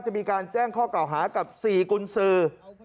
จะมีการแจ้งข้อเก่าหากับ๔กุญสือ